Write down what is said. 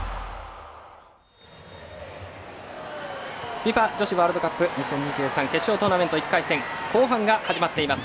ＦＩＦＡ女子ワールドカップ２０２３決勝トーナメント、１回戦後半が始まっています。